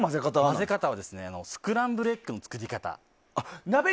混ぜ方はスクランブルエッグの作り方。